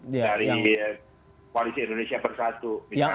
dari koalisi indonesia bersatu